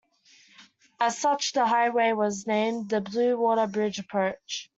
As such, the highway was named the Blue Water Bridge Approach.